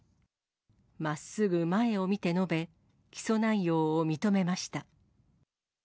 まっすぐ前を見て述べ、起訴内容を認めました。